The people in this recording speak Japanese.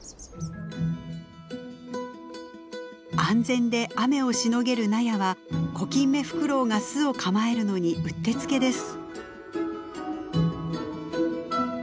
安全で雨をしのげる納屋はコキンメフクロウが巣を構えるのにうってつけです。